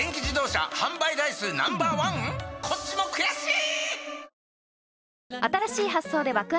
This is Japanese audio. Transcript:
こっちも悔しい！